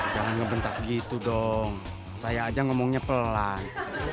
jangan ngebentak gitu dong saya aja ngomongnya pelan